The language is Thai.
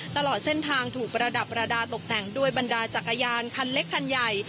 ตลอดเส้นทางถูกประดับประดาษตกแต่งด้วยบรรดาจักรยานคันเล็กคันใหญ่